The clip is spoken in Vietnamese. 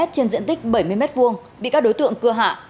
trên diện tích bảy mươi m hai bị các đối tượng cưa hạ